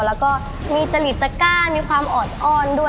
แล้วก็มีจริตตะก้ามีความออดอ้อนด้วย